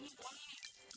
ini buang ini